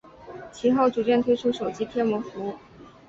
其后逐渐推出手机贴膜服务。